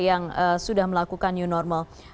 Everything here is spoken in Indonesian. yang sudah melakukan new normal